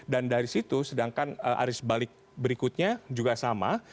dan dari situ sedangkan arus balik berikutnya juga sama